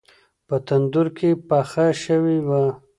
په تندور کې پخه شوې وه.